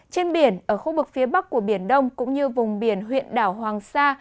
trên biển ở khu vực phía bắc của biển đông cũng như vùng biển huyện đảo hoàng sa